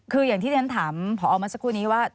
คืออย่างที่เรียนถามผอมาสักครู่นี้ว่า